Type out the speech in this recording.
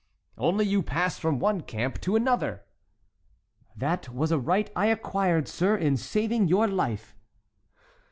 "Only you pass from one camp to another." "That was a right I acquired, sir, in saving your life."